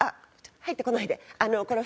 入ってこない。